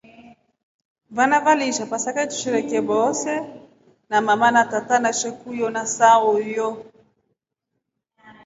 Wana walisha pasaka tusherekee wose na mama na tata na shokuyo na sayo.